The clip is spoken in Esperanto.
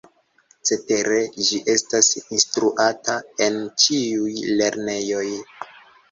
Cetere, ĝi estas instruata en ĉiuj lernejoj.